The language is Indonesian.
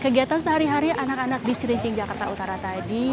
kegiatan sehari hari anak anak di celincing jakarta utara tadi